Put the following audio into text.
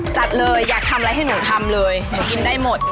จัดเลยอยากทำอะไรให้หนูทำเลยหนูกินได้หมด